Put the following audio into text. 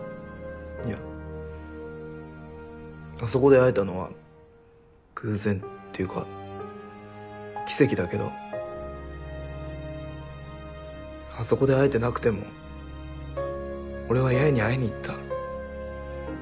いやあそこで会えたのは偶然っていうか奇跡だけど。あそこで会えてなくても俺は八重に会いにいった。